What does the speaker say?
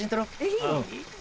いい？